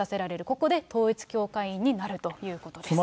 ここで統一教会員になるということです。